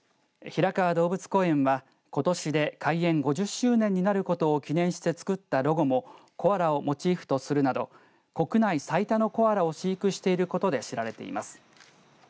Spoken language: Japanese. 平川動物公園はことしで開園５０周年になることを記念して作ったロゴもコアラをモチーフとするなど国内最多のコアラを飼育していることで知られています。